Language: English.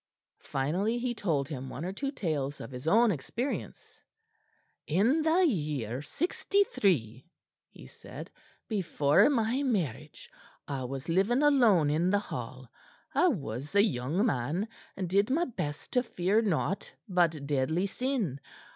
Finally, he told him one or two tales of his own experience. "In the year '63," he said, "before my marriage, I was living alone in the Hall; I was a young man, and did my best to fear nought but deadly sin.